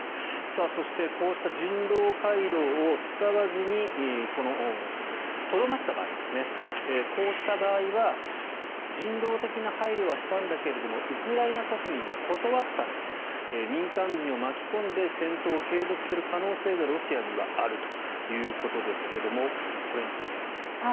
そしてこうした人道回廊を使わずにとどまった場合こうした場合は人道的な配慮はしたんだけどウクライナ国民が断ったんだと民間人を巻き込んで戦闘を継続する可能性がロシアにはあるということですがこれについては。